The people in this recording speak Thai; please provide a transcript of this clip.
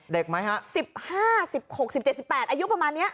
เด็กไหมฮะสิบห้าสิบหกสิบเจ็ดสิบแปดอายุประมาณเนี้ย